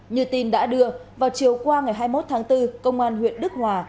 như tin đã đưa vào chiều qua ngày hai mươi một tháng bốn công an huyện đức hòa